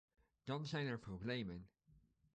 Dan zijn er problemen!